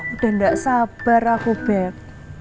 udah gak sabar aku bed